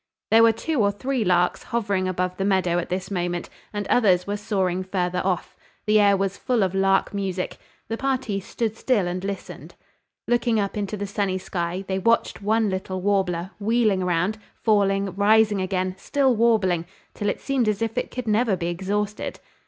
There were two or three larks hovering above the meadow at this moment, and others were soaring further off. The air was full of lark music. The party stood still and listened. Looking up into the sunny sky, they watched one little warbler, wheeling round, falling, rising again, still warbling, till it seemed as if it could never be exhausted.